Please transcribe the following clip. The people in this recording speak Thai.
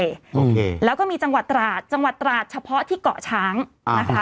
โอเคแล้วก็มีจังหวัดตราดจังหวัดตราดเฉพาะที่เกาะช้างนะคะ